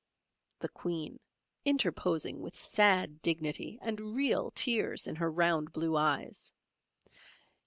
The Queen (interposing with sad dignity and real tears in her round blue eyes).